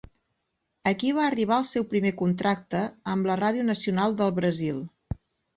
Aquí va arribar el seu primer contracte, amb la Ràdio Nacional del Brasil.